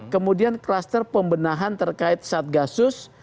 kemudian kluster pembenahan terkait satgasus